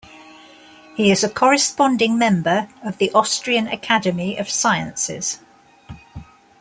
He is a "Corresponding Member" of the Austrian Academy of Sciences.